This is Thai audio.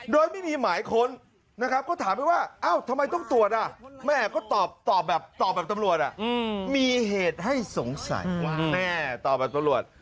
โดยไม่มีหมายค้นนะครับก็ถามไปว่าเอ้าทำไมต้องตรวจแม่ก็ตอบแบบตอบแบบตำรวจมีเหตุให้สงสัยว่าแม่ตอบแบบตำรวจ